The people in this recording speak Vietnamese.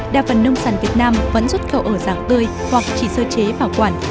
đa phần nông sản việt nam vẫn xuất khẩu ở dạng tươi hoặc chỉ sơ chế bảo quản